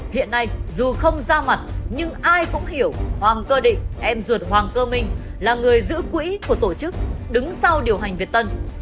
hiện nay dù không ra mặt nhưng ai cũng hiểu hoàng cơ định em ruột hoàng cơ minh là người giữ quỹ của tổ chức đứng sau điều hành việt tân